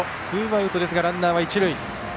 ツーアウトですがランナーは一塁。